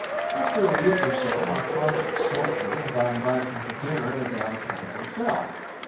After a week or so, my conscience smote me, and I invited him to dinner at a downtown hotel.